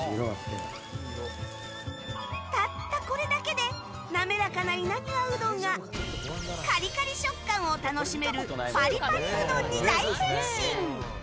たったこれだけで滑らかな稲庭うどんがカリカリ食感を楽しめるパリパリうどんに大変身。